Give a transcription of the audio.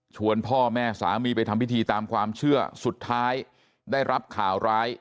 พ่อแม่สามีไปทำพิธีตามความเชื่อสุดท้ายได้รับข่าวร้าย